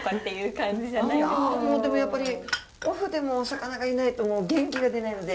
でもやっぱりオフでもお魚がいないともう元気が出ないので。